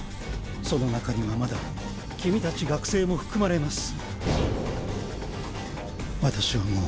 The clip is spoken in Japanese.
その中にはまだ君たち学生も含まれます